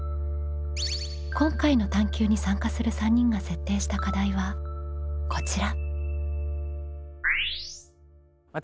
今回の探究に参加する３人が設定した課題はこちら。